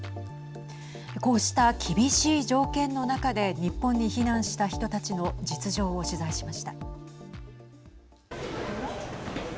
こうした厳しい条件の中で日本に避難した人たちの実情を取材しました。